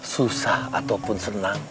susah ataupun senang